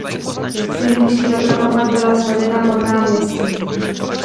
Silniční doprava pak byla svedena pod náměstí.